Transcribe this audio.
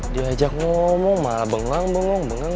diajak ngomong malah bengang bengong bengang